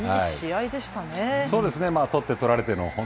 いい試合でしたね。